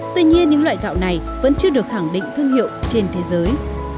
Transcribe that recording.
tuy nhiên những loại gạo này vẫn chưa được khẳng định thương hiệu trên thế giới